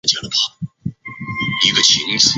四川轮环藤为防己科轮环藤属下的一个种。